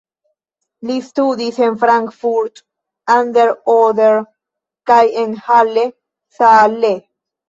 Li studis en Frankfurt an der Oder kaj en Halle (Saale).